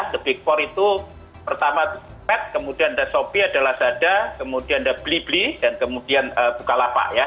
the big four itu pertama pat kemudian the shopee adalah zada kemudian the blibli dan kemudian bukalapak ya